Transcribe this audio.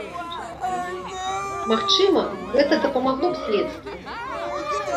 Магчыма, гэта дапамагло б следству!